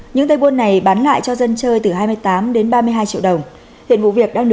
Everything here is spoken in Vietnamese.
những tay buôn này bán lại cho dân chơi từ hai mươi tám đến ba mươi hai triệu đồng